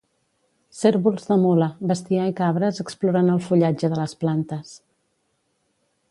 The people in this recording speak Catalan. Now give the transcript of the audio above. Cérvols de mula, bestiar i cabres exploren el fullatge de les plantes.